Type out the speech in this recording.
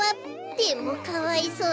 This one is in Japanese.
でもかわいそうだわべ。